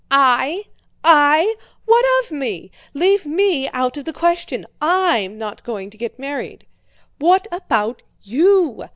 "I? I? What of me? Leave me out of the question. I'm not going to get married. What about you?